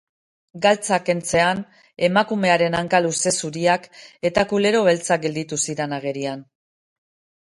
Galtzak kentzean, emakumearen hanka luze zuriak eta kulero beltzak gelditu ziren agerian.